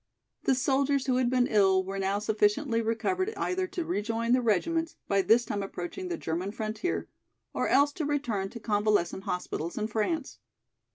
The soldiers who had been ill were now sufficiently recovered either to rejoin their regiments, by this time approaching the German frontier, or else to return to convalescent hospitals in France.